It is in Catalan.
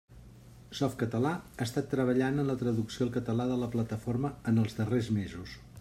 Softcatalà ha estat treballat en la traducció al català de la plataforma en els darrers mesos.